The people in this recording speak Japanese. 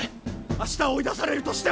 明日追い出されるとしても！